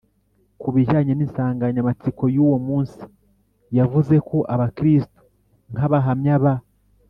ku bijyanye n’insanganyamatsiko y’uwo munsi, yavuze ko abakristu nk’abahamya ba